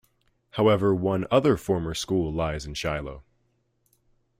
However one other former school lies in Shiloh.